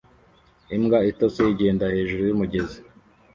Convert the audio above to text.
Imbwa itose igenda hejuru yumugezi